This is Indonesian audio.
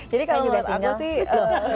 jadi kalau menurut aku sih